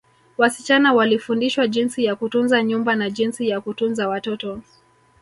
Wasichana walifundishwa jinsi ya kutunza nyumba na jinsi ya kutunza watoto